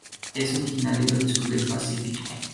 Es originario del sur del Pacífico.